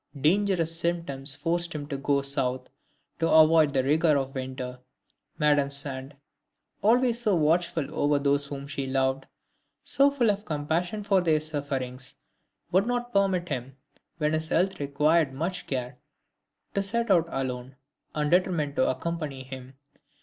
Dangerous symptoms forced him to go South to avoid the rigor of winter. Madame Sand, always so watchful over those whom she loved, so full of compassion for their sufferings, would not permit him, when his health required so much care, to set out alone, and determined to accompany him.